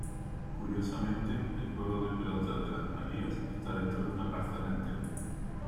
Curiosamente el juego de pelota de Las Marías está dentro de una parcela entera.